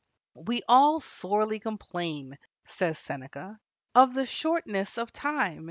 "We all sorely complain," says Seneca, "of the shortness of time.